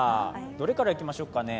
どれからいきましょうかね？